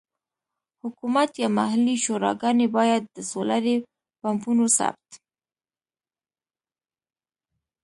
حکومت یا محلي شوراګانې باید د سولري پمپونو ثبت.